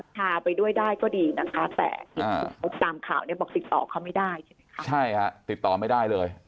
ประชาไปด้วยได้ก็ดีนะแต่ตามข่าวติดต่อเขาไม่ได้ใช่ถ้าติดต่อไม่ได้เลย